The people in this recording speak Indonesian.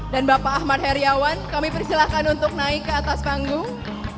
bapak ahmad heriawan kami persilahkan untuk naik ke atas panggung